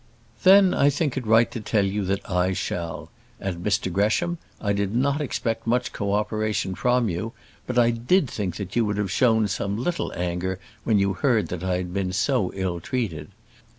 "Then I think it right to tell you that I shall. And, Mr Gresham, I did not expect much co operation from you; but I did think that you would have shown some little anger when you heard that I had been so ill treated.